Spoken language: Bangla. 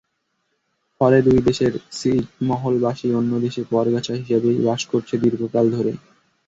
ফলে দুই দেশের ছিটমহলবাসী অন্য দেশে পরগাছা হিসেবেই বাস করছেন দীর্ঘকাল ধরে।